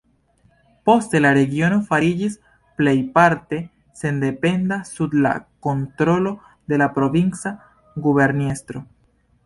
Poste la regiono fariĝis plejparte sendependa sub la kontrolo de la provinca guberniestro.